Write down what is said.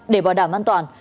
để bảo đảm an toàn